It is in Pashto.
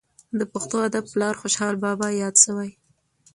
د پښتو ادب پلار خوشحال بابا یاد سوى.